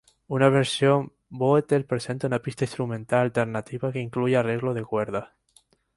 Una versión bootleg presenta una pista instrumental alternativa que incluye arreglo de cuerdas.